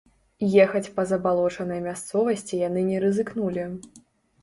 Ехаць па забалочанай мясцовасці яны не рызыкнулі.